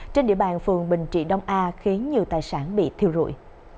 trên địa bàn phường bình trị đông a khiến nhiều tài sản bị thiêu rụi